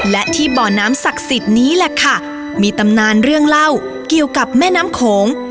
และที่บ่อน้ำศักดิ์สิทธิ์นี้แหละค่ะมีตำนานเรื่องเล่าเกี่ยวกับแม่น้ำโขง